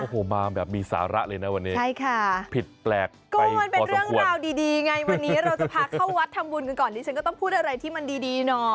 โฮมาแบบมีสาระเลยนะวันนี้